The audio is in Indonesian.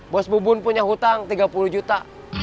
bos bubun punya hutang tiga puluh juta